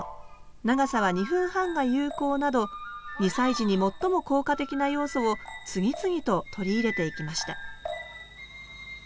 長さは２分半が有効など２歳児に最も効果的な要素を次々と取り入れていきました